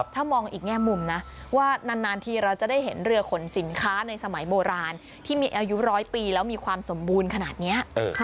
ถ้ามองอีกแง่มุมนะว่านานทีเราจะได้เห็นเรือขนสินค้าในสมัยโบราณที่มีอายุร้อยปีแล้วมีความสมบูรณ์ขนาดนี้